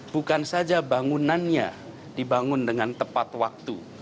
bukan saja bangunannya dibangun dengan tepat waktu